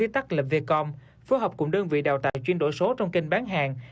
tắc lập v com phố học cùng đơn vị đào tạo chuyên đổi số trong kênh bán hàng